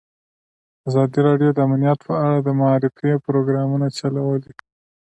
ازادي راډیو د امنیت په اړه د معارفې پروګرامونه چلولي.